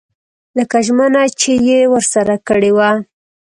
لکه ژمنه چې یې ورسره کړې وه.